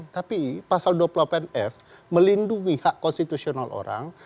tapi pasal dua puluh delapan f melindungi hak konstitusional orang